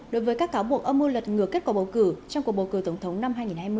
đối với các cáo buộc âm mưu lật ngừa kết quả bầu cử trong cuộc bầu cử tổng thống năm hai nghìn hai mươi